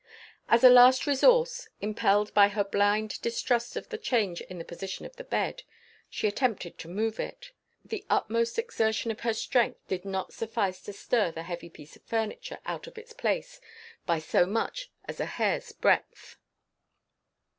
As a last resource, impelled by her blind distrust of the change in the position of the bed, she attempted to move it. The utmost exertion of her strength did not suffice to stir the heavy piece of furniture out of its place, by so much as a hair's breadth.